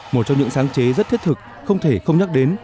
một trong những sáng chế rất thiết thực không thể không nhắc đến